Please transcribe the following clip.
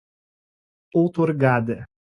outorgada